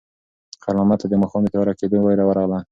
خیر محمد ته د ماښام د تیاره کېدو وېره ورغله.